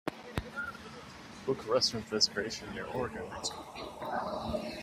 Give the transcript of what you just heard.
Book a restaurant reservation near Oregon next week